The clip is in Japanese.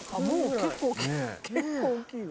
結構大きいよ。